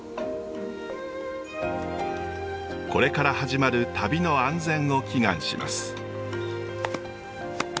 これから始まる旅の安全を祈願します。